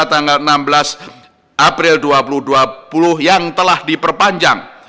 tanggal enam belas april dua ribu dua puluh yang telah diperpanjang